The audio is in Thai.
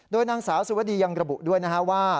โดยนางสาวสุวดียังระบุด้วยนะฮะว่า